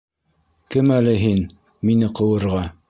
Кем әле һин мине ҡыуырға?